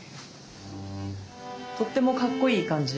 とってもかっこいい感じ。